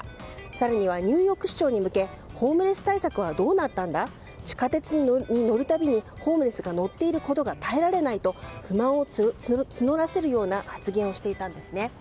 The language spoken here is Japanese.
更にはニューヨーク市長に向けホームレス対策はどうなったのか地下鉄に乗る度にホームレスが乗っていることが耐えられないと不満を募らせるような発言をしていたんですね。